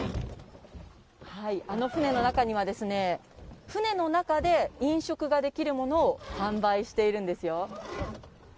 あの船の中には、船の中で飲食ができるものを販売しているんですよ。